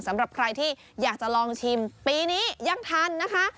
สำหรับใครที่อยากจะลองชิมปีนี้ยังทันนะคะ